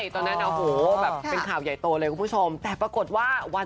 ตอนนั้นโอ้โหแบบเป็นข่าวใหญ่โตเลยคุณผู้ชมแต่ปรากฏว่าวัน